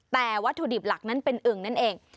แต่วัตถุดิบหลักนั้นเป็นอึ่งนั่นเอง